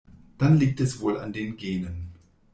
Dann liegt es wohl an den Genen.